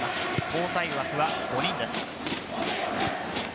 交代枠は５人です。